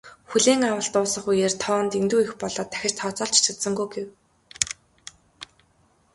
"Хүлээн авалт дуусах үеэр тоо нь дэндүү их болоод дахиж тооцоолж ч чадсангүй" гэв.